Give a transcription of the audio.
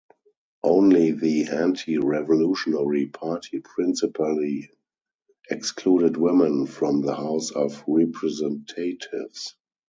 Only the Anti-Revolutionary Party principally excluded women from the House of Representatives.